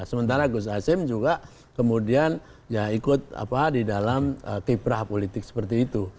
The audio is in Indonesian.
sementara gus hasim juga kemudian ya ikut apa di dalam kiprah politik seperti itu